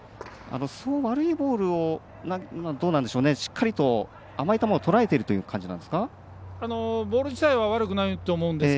悪いボールをしっかりと甘い球をとらえているという感じなんですか。